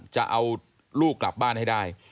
จะเอาลูกกลับบ้านให้ได้